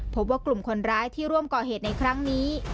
พบว่ากลุ่มคนร้ายที่ร่วมก่อเหตุในครั้งนี้